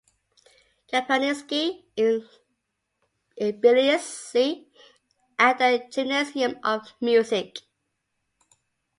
Kapelniski in Tbilisi at the Gymnasium of Music.